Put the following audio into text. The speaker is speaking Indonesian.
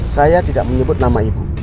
saya tidak menyebut nama ibu